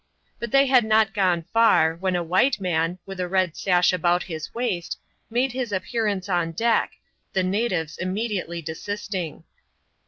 But they tad not gone far, when a white man, with a red sash about his waist, made his appearance on deck, the natives immediately desisting.